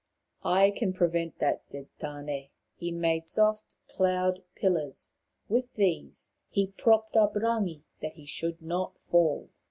" I can prevent that," said Tane. He made soft cloud pillars. With these he propped up Rangi that he should not fall.